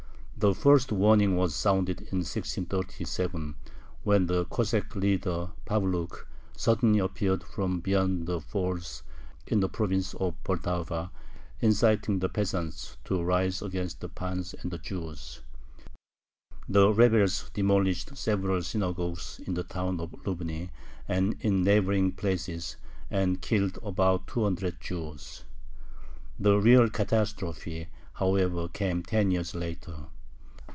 The first warning was sounded in 1637, when the Cossack leader Pavluk suddenly appeared from beyond the Falls in the province of Poltava, inciting the peasants to rise against the pans and the Jews. The rebels demolished several synagogues in the town of Lubny and in neighboring places, and killed about two hundred Jews. The real catastrophe, however, came ten years later.